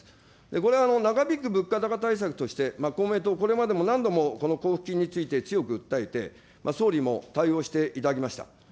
これは長引く物価高対策として、公明党、これまでも何度も、この交付金について強く訴えて、総理も対応していただきました。